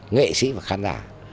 nghệ sĩ và khán giả